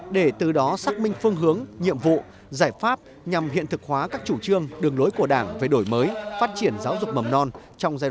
để từ đó xác minh phương hướng nhiệm vụ giải pháp nhằm hiện thực hóa các chủ trương